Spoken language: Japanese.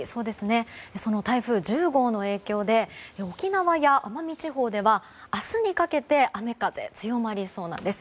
その台風１０号の影響で沖縄や奄美地方では明日にかけて雨風強まりそうなんです。